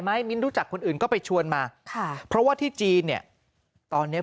มิ้นรู้จักคนอื่นก็ไปชวนมาค่ะเพราะว่าที่จีนเนี่ยตอนเนี้ย